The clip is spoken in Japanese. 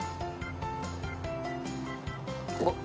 あっ。